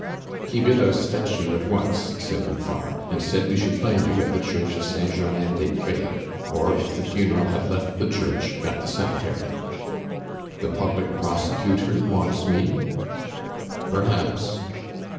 "He bid us fetch you at once," said Ruffard, "and said we should find you at the Church of Saint Germain des Pres; or, if the funeral had left the church, at the cemetery." "The public prosecutor wants me?" "Perhaps."